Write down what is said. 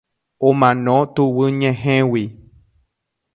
Omano tuguyñehẽgui.